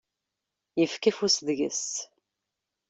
Yefka afus deg-s.